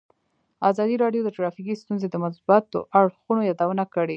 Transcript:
ازادي راډیو د ټرافیکي ستونزې د مثبتو اړخونو یادونه کړې.